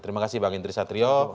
terima kasih bang indri satrio